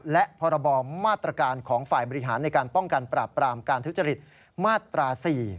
และพรบมาตรการของฝ่ายบริหารในการป้องกันปราบปรามการทุจริตมาตรา๔